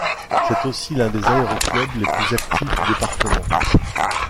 C'est aussi l'un des aéroclubs les plus actifs du département.